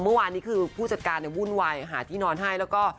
เมื่อวานนี้คือผู้จัดการเนี่ยวุ่นวายหาที่นอนให้แล้วก็